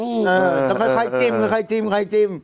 เออต้องค่อยจิ้ม